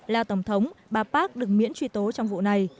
là tổng thống bà park được miễn truy tố trong vụ này